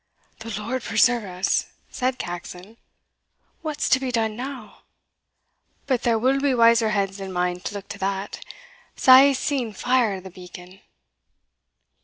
"The Lord preserve us!" said Caxon, "what's to be done now? But there will be wiser heads than mine to look to that, sae I'se e'en fire the beacon."